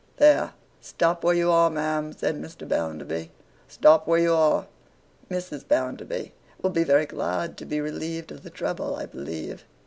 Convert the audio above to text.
'There! Stop where you are, ma'am,' said Mr. Bounderby, 'stop where you are! Mrs. Bounderby will be very glad to be relieved of the trouble, I believe.